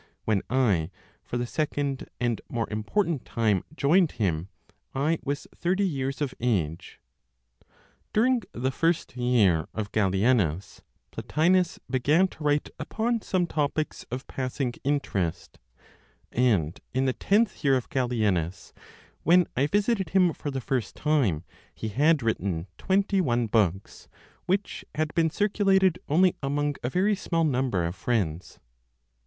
When I (for the second, and more important time) joined him, I was thirty years of age. During the first year of Gallienus, Plotinos began to write upon some topics of passing interest, and in the tenth year of Gallienus, when I visited him for the first time, he had written twenty one books, which had been circulated only among a very small number of friends.